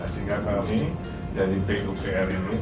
sehingga kami dari bupr ini